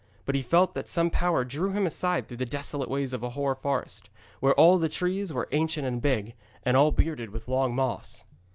But he felt that some power drew him aside through the desolate ways of a hoar forest, where all the trees were ancient and big, and all bearded with long moss.